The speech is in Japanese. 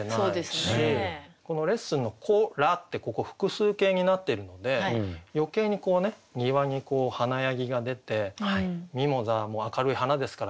この「レッスンの子ら」ってここ複数形になっているので余計にこうね庭に華やぎが出てミモザも明るい花ですから黄色いね。